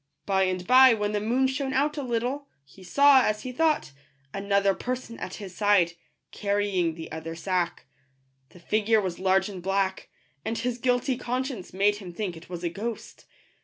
By and by, when the moon shone out a little, he saw, as he thought, another person at his side, carrying the other sack. The figure was large and black; and his guilty conscience made him think it was a ghost.